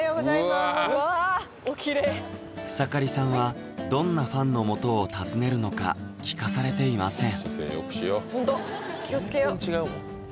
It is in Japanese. うわおきれい草刈さんはどんなファンのもとを訪ねるのか聞かされていません